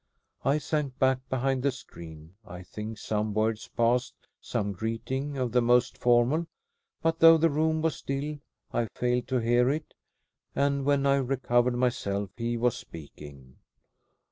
I sank back behind the screen. I think some words passed, some greeting of the most formal, but though the room was still, I failed to hear it, and when I recovered myself he was speaking.